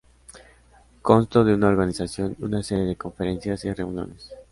Constó de una organización y una serie de conferencias y reuniones.